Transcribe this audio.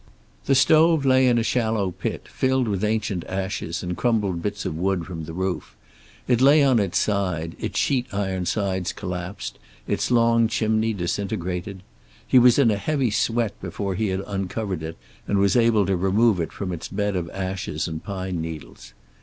The stove lay in a shallow pit, filled with ancient ashes and crumbled bits of wood from the roof. It lay on its side, its sheet iron sides collapsed, its long chimney disintegrated. He was in a heavy sweat before he had uncovered it and was able to remove it from its bed of ashes and pine needles.